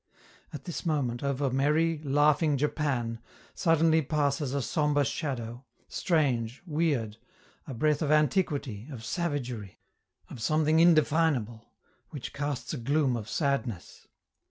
At this moment, over merry, laughing Japan, suddenly passes a sombre shadow, strange, weird, a breath of antiquity, of savagery, of something indefinable, which casts a gloom of sadness.